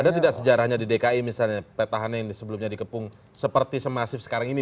ada tidak sejarahnya di dki misalnya petahana yang sebelumnya dikepung seperti semasif sekarang ini